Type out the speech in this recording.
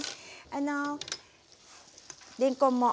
あのれんこんも。